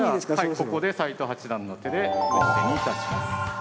ここで斎藤八段の手で一手にいたします。